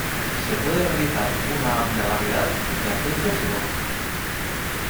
Se puede realizar una amplia variedad de acentos y voces.